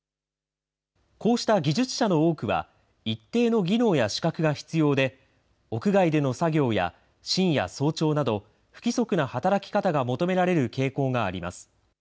こうした技術者の多くは、一定の技能や資格が必要で、屋外での作業や、深夜、早朝など、不規則な働き方が求められる傾向があります。